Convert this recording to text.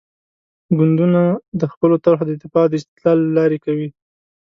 ګوندونه د خپلو طرحو دفاع د استدلال له لارې کوي.